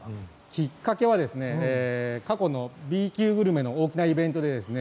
きっかけはＢ級グルメの大きなイベントです。